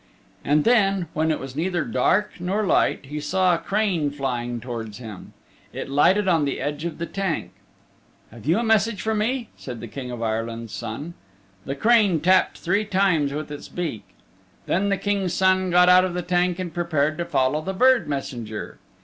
And then, when it was neither dark nor light, he saw a crane flying towards him. It lighted on the edge of the tank. "Have you a message for me?" said the King of Ireland's Son. The crane tapped three times with its beak. Then the King's Son got out of the tank and prepared to follow the bird messenger.